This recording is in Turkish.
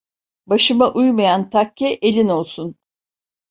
Başıma uymayan takke elin olsun.